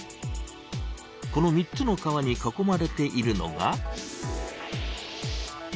この３つの川に囲まれているのが。